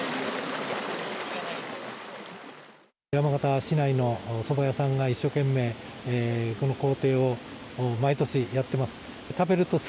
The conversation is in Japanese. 山形市内のそば屋さんが一生懸命この工程を毎年やっています。